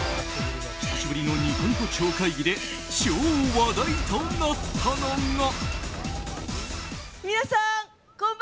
久しぶりのニコニコ超会議で超話題となったのが。